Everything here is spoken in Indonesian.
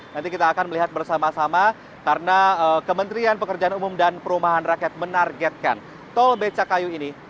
nanti kita akan melihat bersama sama karena kementerian pekerjaan umum dan perumahan rakyat menargetkan tol becakayu ini